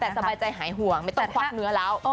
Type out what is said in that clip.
แต่สบายใจหายห่วงไม่ต้องควักเนื้อแล้ว